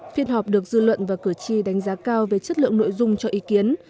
phiên họp được dư luận và cử tri đánh giá cao về chất lượng nội dung cho ý kiến